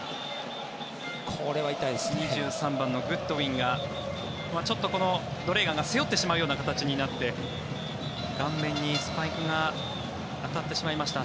２３番のグッドウィンがちょっとドレーガーが背負ってしまうような形になってしまって顔面にスパイクが当たってしまいました。